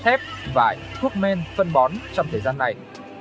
với hỗ trợ xi măng thép vải quốc men phân bón trong thời gian này